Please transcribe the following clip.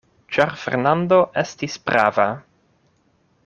Ĉar Fernando estis prava.